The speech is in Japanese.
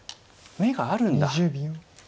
眼があるんだ。